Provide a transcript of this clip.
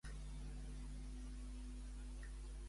Quin càrrec va tenir Lurdes al Grup de Teatre Xerrameca?